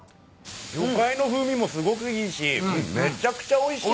魚介の風味もすごくいいしめちゃくちゃおいしい。